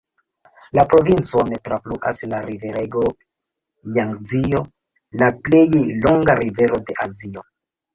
La provincon trafluas la riverego Jangzio, la plej longa rivero de Azio.